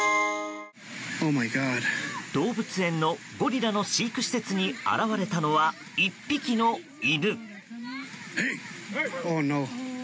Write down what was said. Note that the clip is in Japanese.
動物園のゴリラの飼育施設に現れたのは、１匹の犬。